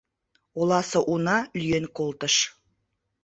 Оласе уна лӱен колтыш.